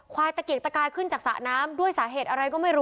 ตะเกียกตะกายขึ้นจากสระน้ำด้วยสาเหตุอะไรก็ไม่รู้